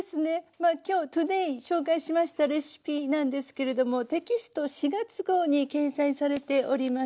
まあきょうｔｏｄａｙ紹介しましたレシピなんですけれどもテキスト４月号に掲載されております。